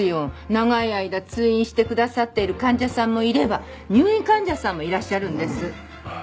長い間通院してくださっている患者さんもいれば入院患者さんもいらっしゃるんです。